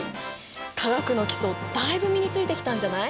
化学の基礎だいぶ身についてきたんじゃない？